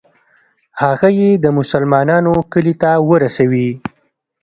هغه یې د مسلمانانو کلي ته ورسوي.